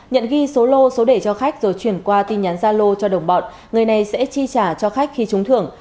nhận ghi số lô số đề cho khách rồi chuyển qua tin nhắn gia lô cho đồng bọn người này sẽ chi trả cho khách khi trúng thưởng